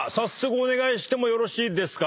お願いしてもよろしいですか。